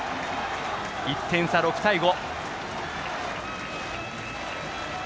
１点差、６対５。